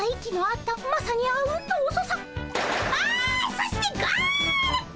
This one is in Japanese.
そしてゴール！